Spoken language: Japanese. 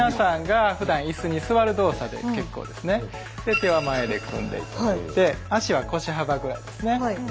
手は前で組んで頂いて足は腰幅ぐらいですね。